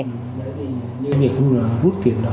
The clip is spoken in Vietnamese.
như việc rút tiền đó